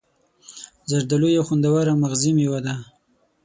زردآلو یو خوندور او مغذي میوه ده.